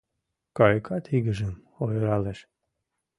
Кайыкат игыжым ойыралеш.